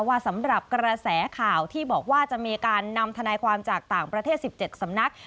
สำหรับกระแสข่าวที่บอกว่าจะมีการนำทนายความจากต่างประเทศ๑๗สำนัก